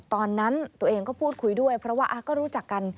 ตอนนั้นตัวเองก็พูดคุยด้วยเพราะว่าก็รู้จักกัน